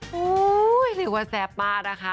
หูยหรือว่าแซ่บป้านะคะ